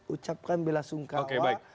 ucapkan bela sungkawa